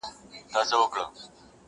نوي نوي تختې غواړي کنې یاره ،